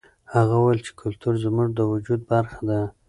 هغه وویل چې کلتور زموږ د وجود برخه ده.